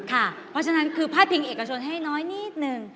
เพราะฉะนั้นคือพาดพิงเอกชนให้น้อยนิดนึง